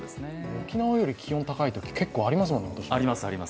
沖縄より気温が高いとき、結構ありますもんね、今年。